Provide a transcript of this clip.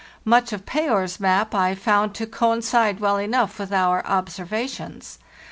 Much of Payer's map I found to coin cide well enough with our observations.